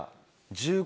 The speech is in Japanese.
１５。